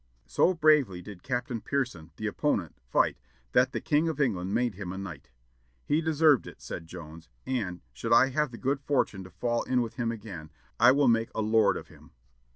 So bravely did Captain Pearson, the opponent, fight, that the King of England made him a knight. "He deserved it," said Jones, "and, should I have the good fortune to fall in with him again, I will make a lord of him."